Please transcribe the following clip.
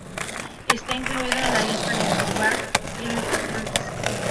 Está incluido en la lista del Gibraltar Heritage Trust.